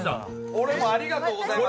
俺もありがとうございます。